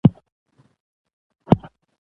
دا ولایتونه له افغان کلتور سره تړاو لري.